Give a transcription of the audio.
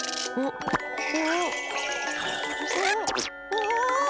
お！